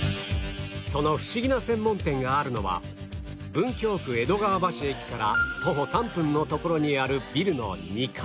そのフシギな専門店があるのは文京区江戸川橋駅から徒歩３分の所にあるビルの２階